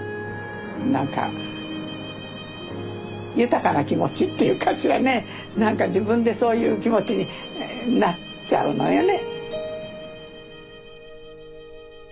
なんか豊かな気持ちっていうかしらねなんか自分でそういう気持ちになっちゃうのよね。